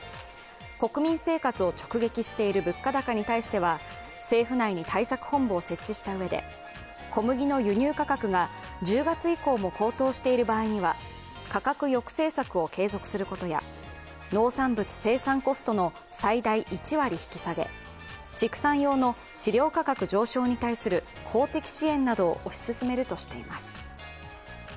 国民生活を直撃している物価高に対しては政府内に対策本部を設置したうえで小麦の輸入価格が１０月以降も高騰している場合には価格抑制策を継続することや農産物生産コストの最大１割引き下げ畜産用の飼料価格上昇に対する公的支援などを推し進めるとしています。